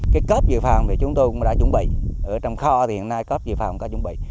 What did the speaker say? cái cấp dự phòng thì chúng tôi cũng đã chuẩn bị ở trong kho thì hiện nay cấp dự phòng cũng đã chuẩn bị